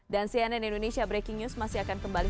dan cnn indonesia breaking news masih akan kembali